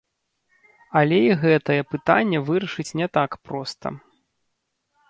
Але і гэтае пытанне вырашыць не так проста.